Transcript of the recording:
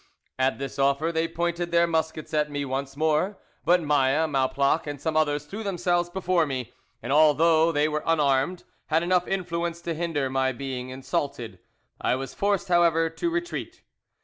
"At this offer they pointed their muskets at me once more; but Maille, Malplach, and some others threw themselves before me, and although they were unarmed, had enough influence to hinder my being insulted; I was forced, however, to retreat.